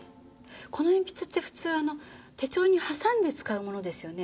この鉛筆って普通あの手帳に挟んで使うものですよね？